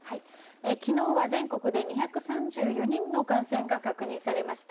きのうは全国で２３４人の感染が確認されました。